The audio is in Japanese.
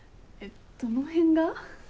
どの辺が？